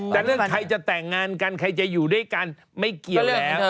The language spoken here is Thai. แต่เรื่องใครจะแต่งงานกันใครจะอยู่ด้วยกันไม่เกี่ยวแล้ว